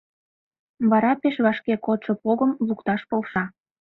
Вара пеш вашке кодшо погым лукташ полша.